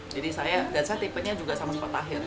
dan saya tipenya juga sama seperti akhir